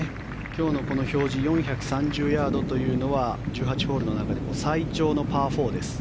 今日の表示４３０ヤードというのは１８ホールの中でも最長のパー４です。